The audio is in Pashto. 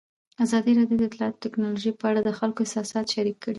ازادي راډیو د اطلاعاتی تکنالوژي په اړه د خلکو احساسات شریک کړي.